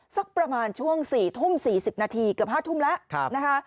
สักประมาณช่วง๔ทุ่ม๔๐นาทีเกือบ๕ทุ่มแล้วนะคะ